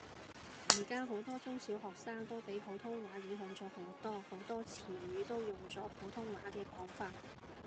而家好多中小學生都俾普通話影響咗好多，好多詞語都用咗普通話嘅講法